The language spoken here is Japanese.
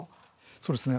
そうですね。